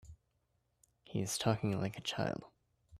He's talking like a child.